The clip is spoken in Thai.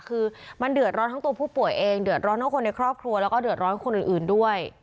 คือมันเดือดร้อนทั้งตัวผู้ป่วยเองเดือดร้อนทั้งคนในครอบครัวแล้วก็เดือดร้อนคนอื่นด้วย